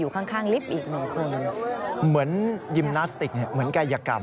คือเจ้าหน้าที่ดักอยู่๒ฝั่งเลยนะครับ